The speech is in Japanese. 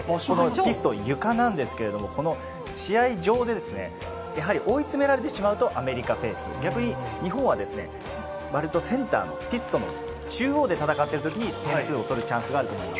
ピスト、床なんですけれど、試合場で追い詰められてしまうとアメリカペース、逆に日本は、割とセンターのピストの中央で戦っている時に点数を取るチャンスがあると思います。